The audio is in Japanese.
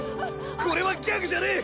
これはギャグじゃねぇ！